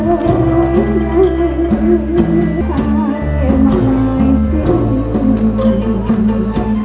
ใครไม่สิ่งที่อยากรัก